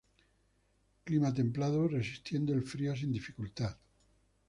Clima templado, resistiendo el frío sin dificultad.